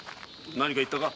何か言ったか？